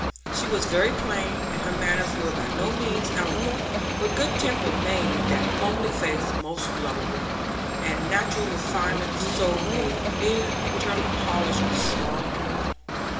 She was very plain, and her manners were by no means elegant, but good temper made that homely face most lovable, and natural refinement of soul made mere external polish of small account.